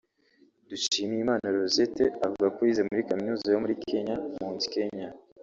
Dushimiyimana Rosette avuga ko yize muri kaminuza yo muri Kenya (Mount Kenya)